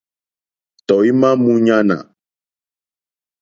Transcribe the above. Tɔ̀ímá !múɲánà.